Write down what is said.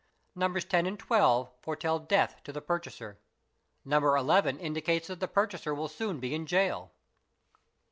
Numbers 10 and 12 foretell death to the purchaser. Number 11 indicates that the purchaser will soon be in gaol.